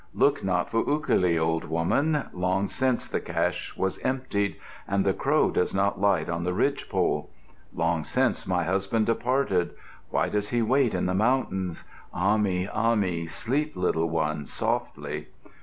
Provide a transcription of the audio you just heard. "Look not for ukali, old woman. Long since the cache was emptied, and the crow does not light on the ridge pole! Long since my husband departed. Why does he wait in the mountains? Ahmi, Ahmi, sleep, little one, softly.